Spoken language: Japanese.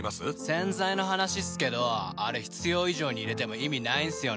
洗剤の話っすけどあれ必要以上に入れても意味ないんすよね。